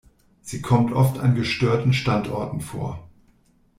Sie kommt oft an gestörten Standorten vor.